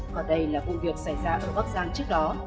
còn đây là vụ việc xảy ra ở bắc giang trước đó